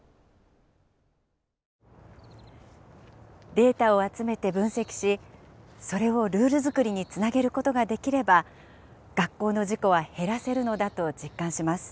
データを集めて分析しそれをルール作りにつなげることができれば学校の事故は減らせるのだと実感します。